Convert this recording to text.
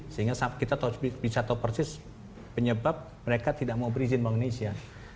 sehingga kita bisa tahu persis penyebab mereka tidak mau berizin bank indonesia